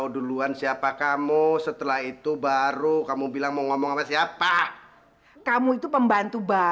jangan coba coba mendekat